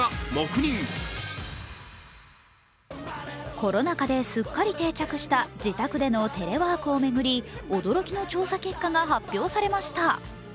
コロナ禍ですっかり定着した自宅でのテレワークを巡り、驚きの調査結果が発表されました。